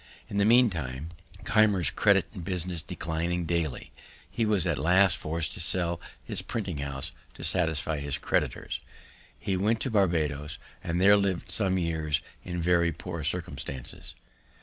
In the meantime, Keimer's credit and business declining daily, he was at last forc'd to sell his printing house to satisfy his creditors. He went to Barbadoes, and there lived some years in very poor circumstances.